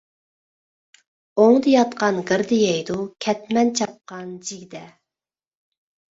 ئوڭدا ياتقان گىردە يەيدۇ، كەتمەن چاپقان جىگدە.